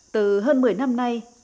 từ hơn một mươi năm nay